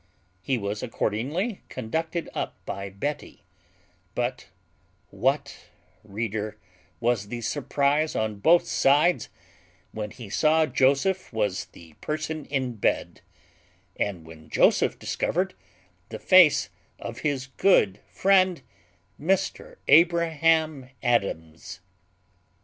He was accordingly conducted up by Betty; but what, reader, was the surprize on both sides, when he saw Joseph was the person in bed, and when Joseph discovered the face of his good friend Mr Abraham Adams!